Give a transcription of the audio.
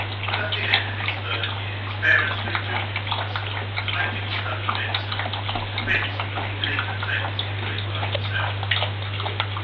But at the end of his third year his parents withdrew him from the school to make him study medicine, convinced that he could even take his degree by himself.